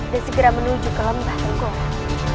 dan segera menuju ke lembah tengkorak